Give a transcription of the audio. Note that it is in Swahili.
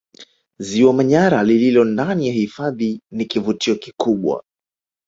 Ziwa Manyara lililo ndani ya hifadhi ni kivutio kikubwa